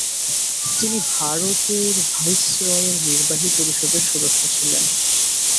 তিনি ভারতের ভাইসরয়ের নির্বাহী পরিষদের সদস্য ছিলেন।